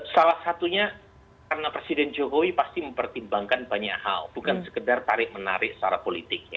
salah satunya karena presiden jokowi pasti mempertimbangkan banyak hal bukan sekedar tarik menarik secara politik